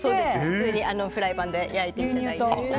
普通にフライパンで焼いていただいて。